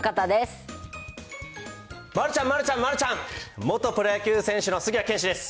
丸ちゃん、丸ちゃん、丸ちゃん、元プロ野球選手の杉谷拳士です。